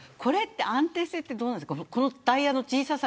安定性ってどうなんですか。